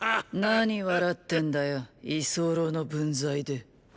何笑ってんだよ居候の分際で。